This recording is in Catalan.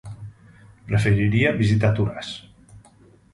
Preferiria visitar Toràs.